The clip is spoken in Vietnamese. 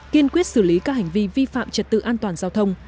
kiên quyết xử lý các hành vi vi phạm trật tự an toàn giao thông